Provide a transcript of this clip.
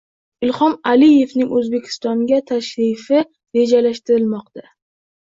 Ilhom Aliyevning O‘zbekistonga tashrifi rejalashtirilmoqda